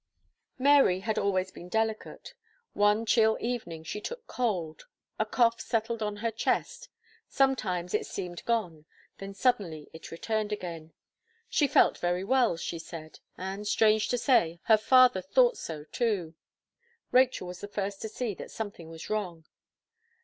Mary had always been delicate. One chill evening she took cold; a cough settled on her chest; sometimes it seemed gone, then suddenly it returned again. "She felt very well," she said; and, strange to say, her father thought so too. Rachel was the first to see that something was wrong.